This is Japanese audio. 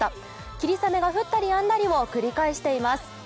霧雨が降ったりやんだりを繰り返しています。